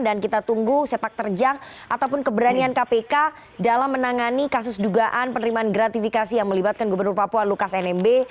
kita tunggu sepak terjang ataupun keberanian kpk dalam menangani kasus dugaan penerimaan gratifikasi yang melibatkan gubernur papua lukas nmb